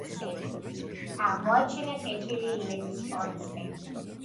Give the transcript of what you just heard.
აღმოაჩინა კეთილი იმედის კონცხი.